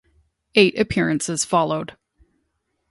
Eight appearances followed.